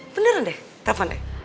beneran deh telepon deh